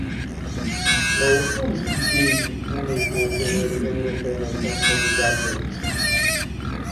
Mă opun ideii unei cooperări europene consolidate.